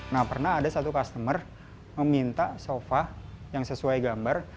nah pernah ada satu customer meminta sofa yang sesuai gambar